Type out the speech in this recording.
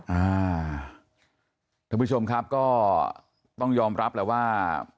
ท่านผู้ชมครับก็ต้องยอมรับแหละว่า